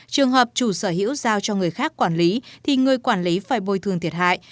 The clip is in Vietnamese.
trường hợp chủ sở hữu giao cho người khác quản lý thì người quản lý phải bồi thường thiệt hại